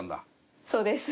そうです。